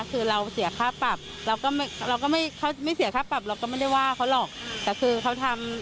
คือเราเสียค่าปรับเราก็เราก็ไม่เขาไม่เสียค่าปรับเราก็ไม่ได้ว่าเขาหรอกแต่คือเขาทำ